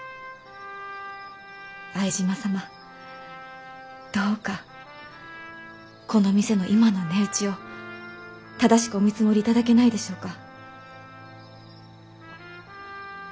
相島様どうかこの店の今の値打ちを正しくお見積もりいただけないでしょうか？